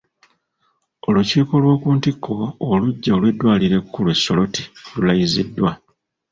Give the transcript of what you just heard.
Olukiiko olw'oku ntikko oluggya olw'eddwaliro ekkulu e Soroti lulayiziddwa.